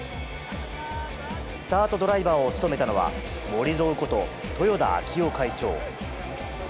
スタートドライバーを務めたのは、モリゾーこと豊田章男会長。